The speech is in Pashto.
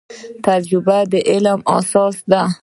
تجربه د علم اساس دی